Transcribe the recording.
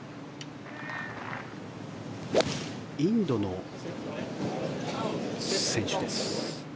インドの選手です。